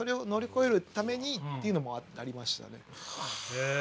へえ！